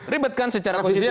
ribetkan secara konstitusi